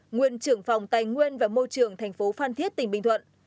nguyên trưởng phòng tài nguyên và môi trường thành phố phan thiết tỉnh bình thuận